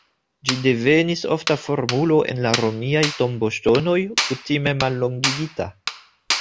Ĝi devenis ofta formulo en la romiaj tomboŝtonoj, kutime mallongigita.